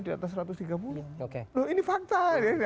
di atas satu ratus tiga puluh ini fakta